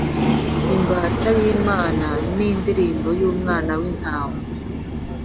imbata y’imana, n’indirimbo y’umwana w’intama.